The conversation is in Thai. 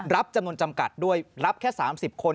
รับจำนวนจำกัดด้วยรับแค่๓๐คน